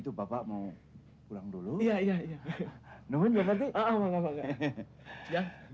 tapi padahal anak one ke reminis duty